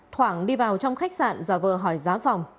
thoảng đi vào trong khách sạn và vừa hỏi giá phòng